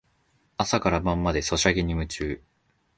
朝から晩までソシャゲに夢中